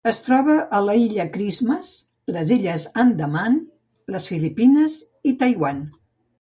Es troba a l'Illa Christmas, les Illes Andaman, les Filipines i Taiwan.